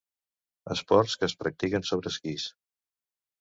Esports que es practiquen sobre esquís.